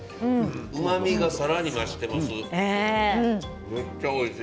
うまみがさらに増してます。